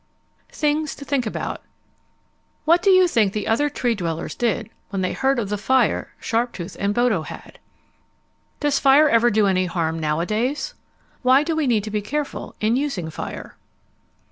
THINGS TO THINK ABOUT What do you think the other Tree dwellers did when they heard of the fire Sharptooth and Bodo had? Does fire ever do any harm nowadays? Why do we need to be careful in using fire?